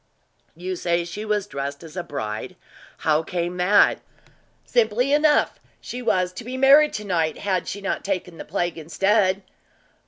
"You say she was dressed as a bride how came that?" "Simply enough. She was to be married to night, had she not taken the plague instead."